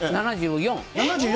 ７４。